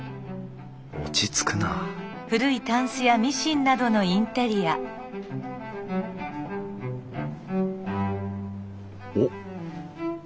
落ち着くなあおっ。